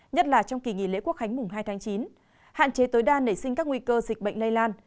nhất là trong kỳ nghỉ lễ quốc hánh hai chín hạn chế tối đa nảy sinh các nguy cơ dịch bệnh lây lan